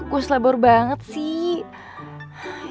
gue slabur banget sih